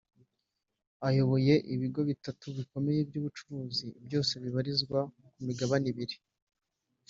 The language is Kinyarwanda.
ayoboye ibigo bitatu bikomeye by’ubucuruzi byose bibarizwa ku migabane ibiri